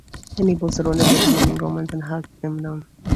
Hannibal surrounded the remaining Romans and hacked them down.